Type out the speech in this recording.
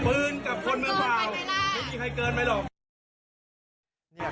ปืนกับคนมือเป่า